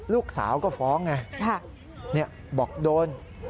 ลูกสาวก็ฟ้องไงบอกโดน